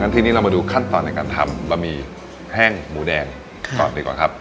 ทีนี้เรามาดูขั้นตอนในการทำบะหมี่แห้งหมูแดงก่อนดีกว่าครับ